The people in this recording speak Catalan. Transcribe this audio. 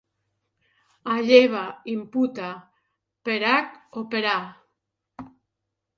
Alleva, imputa, per hac o per a.